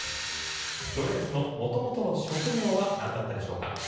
ロレンスの元々の職業は何だったでしょうか？